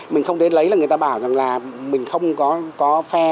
mình không đến lấy là người ta bảo rằng là mình không có phe